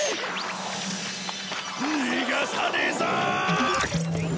逃がさねえぞー！！